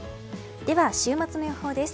では週末の予報です。